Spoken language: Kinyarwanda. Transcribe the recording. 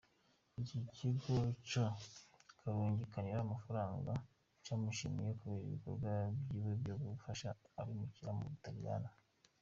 Iki kigo co kurungikanira amafaranga, camushimiye kubera ibikorwa vyiwe vyo gufasha abimukira mu Butaliyani.